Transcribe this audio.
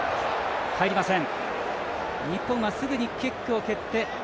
入りません。